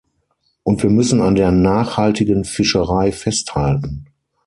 Und wir müssen an der nachhaltigen Fischerei festhalten.